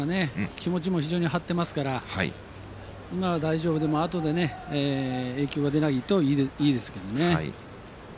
気持ちも非常に張っていますから今は大丈夫でもあとで影響が出ないといいですけどね。